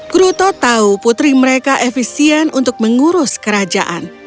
kruto tahu putri mereka efisien untuk mengurus kerajaan